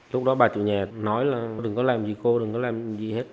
lúc đó bà chủ nhà nói là đừng có làm gì khô đừng có làm gì hết